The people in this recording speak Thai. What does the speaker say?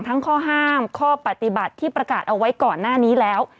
ข้อห้ามข้อปฏิบัติที่ประกาศเอาไว้ก่อนหน้านี้แล้ว